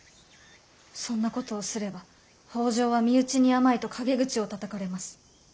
そんなことをすれば北条は身内に甘いと陰口をたたかれます。